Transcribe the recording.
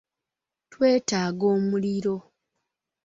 Twetaaga omuliro.